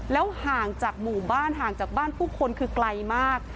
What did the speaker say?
แล้วห่างจากหมู่บ้านห่างจากบ้านผู้คนคือไกลมาก